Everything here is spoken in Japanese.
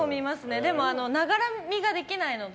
でもながら見ができないので。